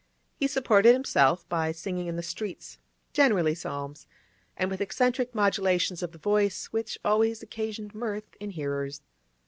He supported himself by singing in the streets, generally psalms, and with eccentric modulations of the voice which always occasioned mirth in hearers.